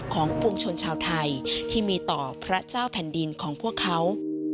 ปวงชนชาวไทยที่มีต่อพระเจ้าแผ่นดินของพวกเขา